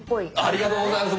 ありがとうございます。